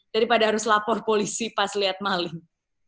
daripada harus lapor polisi pas liat maling